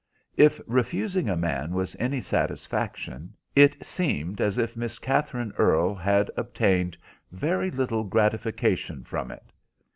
If refusing a man was any satisfaction, it seemed as if Miss Katherine Earle had obtained very little gratification from it.